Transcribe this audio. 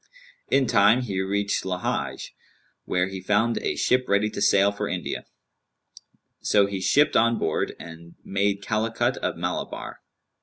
In time he reached Lαhej where he found a ship ready to sail for India; so he shipped on board and made Calicut of Malabar.